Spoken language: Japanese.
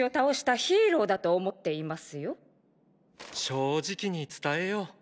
正直に伝えよう。